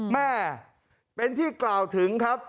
แม่เป็นที่กล่าวถึงครับ